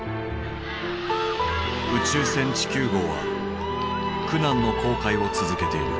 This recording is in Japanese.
「宇宙船地球号」は苦難の航海を続けている。